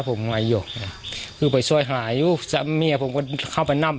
ผมมาอยู่คือไปซ่อยหาอยู่สามีย่าผมก็เข้าไปนำ